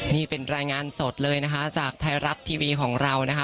นี่เป็นรายงานสดเลยนะคะจากไทยรัฐทีวีของเรานะคะ